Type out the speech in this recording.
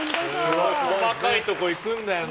細かいところ行くんだよな。